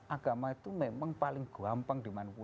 agama itu memang paling gampang dimanfaatkan